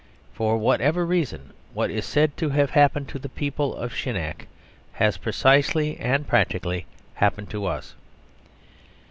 For whatever reason, what is said to have happened to the people of Shinak has precisely and practically happened to us.